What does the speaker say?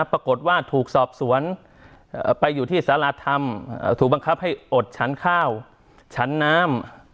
ปรากฏว่าถูกสอบสวนไปอยู่ที่สารธรรมถูกบังคับให้อดฉันข้าวฉันน้ำ